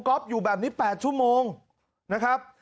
อยู่แบบนี้๘ชั่วโมงนะครับ